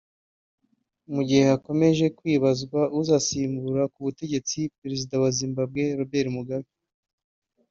Mu gihe hakomeje kwibazwa uzasimbura ku butegetsi Perezida wa Zimbabwe Robert Mugabe